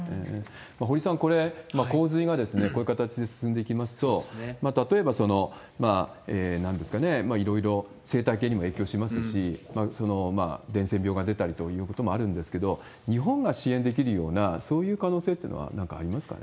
堀さん、これ、洪水がこういう形で進んでいきますと、例えばなんですかね、いろいろ生態系にも影響しますし、伝染病が出たりということもあるんですけど、日本が支援できるような、そういう可能性というのは、なんかありますかね。